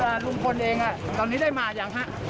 แล้วตัวคุณลุงพลเองตอนนี้ได้มาอย่างไง